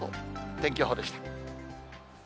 天気予報でした。